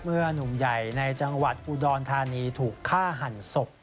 หนุ่มใหญ่ในจังหวัดอุดรธานีถูกฆ่าหันศพ